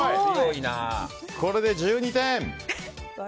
これで１２点。